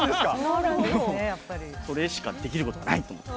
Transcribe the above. それしかできることはないと言って。